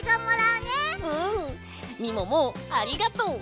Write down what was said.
うんみももありがとう。